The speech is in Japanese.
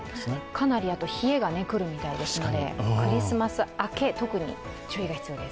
かなり冷えが来るみたいですのでクリスマス明け、特に注意が必要です。